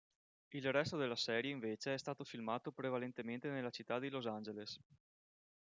Il resto della serie invece è stato filmato prevalentemente nella città di Los Angeles.